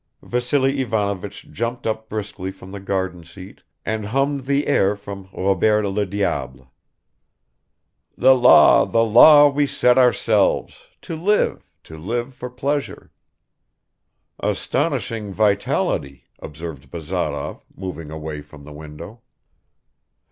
Vassily Ivanovich jumped up briskly from the garden seat and hummed the air from Robert le Diable. "The law, the law we set ourselves, To live, to live, for pleasure." "Astonishing vitality," observed Bazarov, moving away from the window.